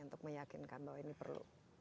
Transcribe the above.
untuk meyakinkan bahwa ini perlu